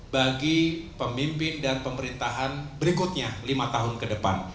bagi pemimpin dan pemerintahan berikutnya lima tahun ke depan